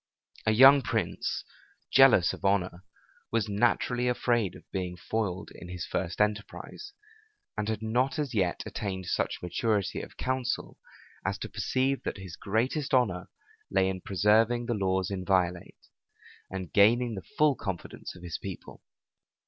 A young prince, jealous of honor, was naturally afraid of being foiled in his first enterprise, and had not as yet attained such maturity of counsel, as to perceive that his greatest honor lay in preserving the laws inviolate, and gaining the full confidence of his people.